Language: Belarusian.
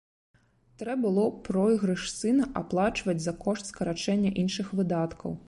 Трэ было пройгрыш сына аплачваць за кошт скарачэння іншых выдаткаў.